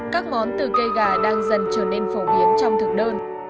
các món từ cây gà đang dần trở nên phổ biến trong thực đơn